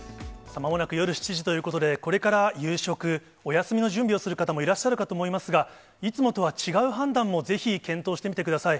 まもなく夜７時ということで、これから夕食、お休みの準備をする方もいらっしゃるかと思いますが、いつもとは違う判断も、ぜひ検討してみてください。